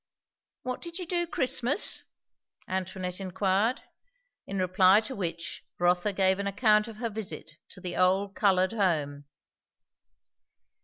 "What did you do Christmas?" Antoinette inquired. In reply to which, Rotha gave an account of her visit to the Old Coloured Home.